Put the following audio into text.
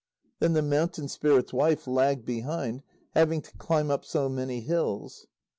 Then the Mountain Spirit's wife lagged behind, having to climb up so many hills.